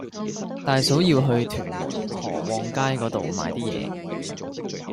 大嫂要去屯門河旺街嗰度買啲嘢